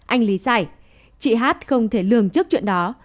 anh lý giải chị hát không thể lường trước chuyện đó